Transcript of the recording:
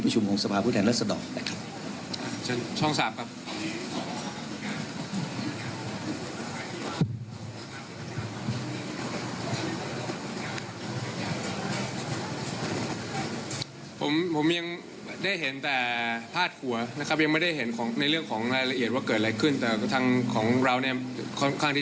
ผมรัศดรนะครับยังไม่ได้เห็นของในเรื่องของรายละเอียดว่าเกิดอะไรขึ้นแต่ทางของเราเนี่ยค่อนข้างที่